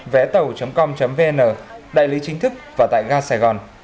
vétàu com vn đại lý chính thức và tại ga sài gòn